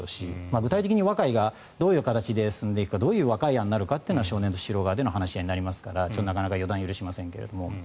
具体的に和解がどういう形で進んでいくかどういう和解案になるかは少年とスシロー側での話し合いになりますからなかなか予断を許しませんが。